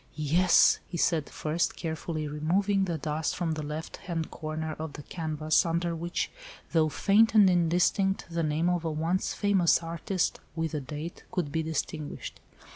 "Yes," he said, first carefully removing the dust from the left hand corner of the canvas, under which, though faint and indistinct, the name of a once famous artist, with a date, could be distinguished.